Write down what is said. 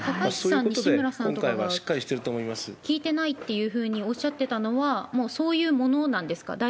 じゃあ、今回はしっかりしてると思い聞いてないというふうにおっしゃってたのは、そういうものなんですか。